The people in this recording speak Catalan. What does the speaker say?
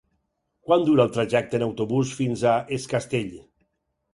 Quant dura el trajecte en autobús fins a Es Castell?